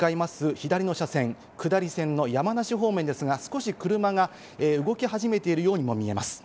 左の車線、下り線の山梨方面ですが、少し車が動き始めているようにも見えます。